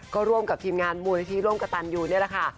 ก็รวมกับทีมงานมูลทีร่วมกระตันอยู่นี่ล่ะค่ะ